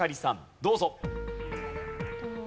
どうぞ。